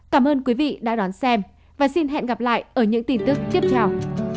cảm ơn quý vị đã đón xem và xin hẹn gặp lại ở những tin tức tiếp theo